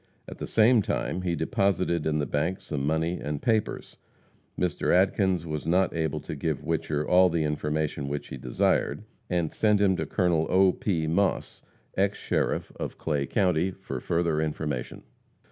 At the same time he deposited in the bank some money and papers. Mr. Adkins was not able to give Whicher all the information which he desired, and sent him to Col. O. P. Moss, ex sheriff of Clay county, for further information.